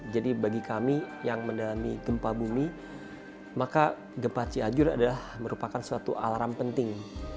jadi bagi kami yang mendalami gempa bumi maka gempa cianjur adalah merupakan suatu alarm penting